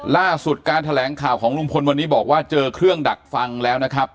ล่าสุดการแถลงข่าวของลุงพลวันนี้บอกว่าเจอเครื่องดักฟังแล้วนะครับ